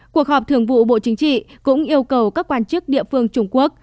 cuộc họp thường vụ bộ chính trị cũng yêu cầu các quan chức địa phương trung quốc